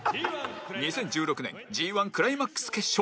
２０１６年 Ｇ１ クライマックス決勝